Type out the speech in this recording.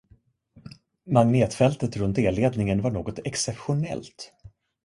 Magnetfältet runt elledningen var något exceptionellt.